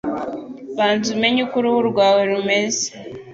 Banza umenye uko uruhu rwawe rumeze.